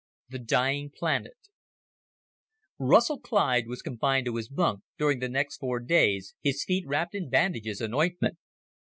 The Dying Planet Russell Clyde was confined to his bunk during the next four days, his feet wrapped in bandages and ointment.